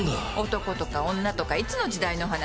男とか女とかいつの時代の話？